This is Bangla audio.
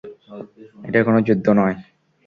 এটা কোনো যুদ্ধ নই।